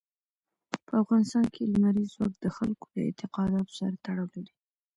په افغانستان کې لمریز ځواک د خلکو د اعتقاداتو سره تړاو لري.